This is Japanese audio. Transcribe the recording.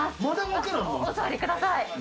お座りください。